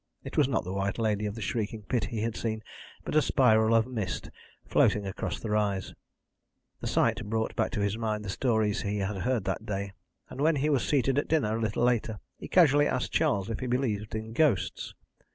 It was not the White Lady of the Shrieking Pit he had seen, but a spiral of mist, floating across the rise. The sight brought back to his mind the stories he had heard that day, and when he was seated at dinner a little later he casually asked Charles if he believed in ghosts.